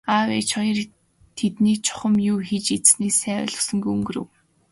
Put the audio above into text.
Аав ээж хоёр нь тэднийг чухам юу хийж идсэнийг сайн ойлгосонгүй өнгөрөв.